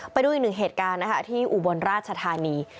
ไปดูอีกหนึ่งเหตุการณ์นะคะที่อุบลราชธานี